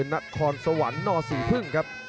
นครสวรรค์นศรีพึ่งครับ